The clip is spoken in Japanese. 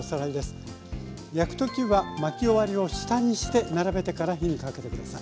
焼く時は巻き終わりを下にして並べてから火にかけて下さい。